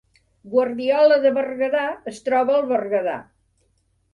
Guardiola de Berguedà es troba al Berguedà